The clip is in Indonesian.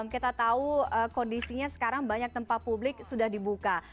kita tahu kondisinya sekarang banyak tempat publik sudah dibuka